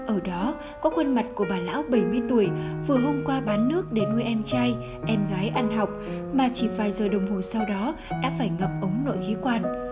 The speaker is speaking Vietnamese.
ở đó có khuôn mặt của bà lão bảy mươi tuổi vừa hôm qua bán nước để nuôi em trai em gái ăn học mà chỉ vài giờ đồng hồ sau đó đã phải ngập ống nội khí quản